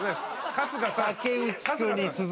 春日さん。